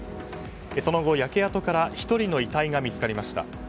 その後、焼け跡から１人の遺体が見つかりました。